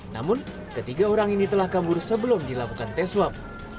namun ketiga orang ini telah kabur sebelum dilakukan tes swab